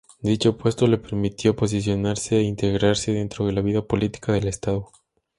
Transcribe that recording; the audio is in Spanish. Dicho puesto le permitió posicionarse e integrarse dentro de la vida política del estado.